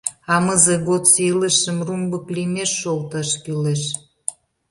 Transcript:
Амызе годсо илышым румбык лиймеш шолташ кӱлеш.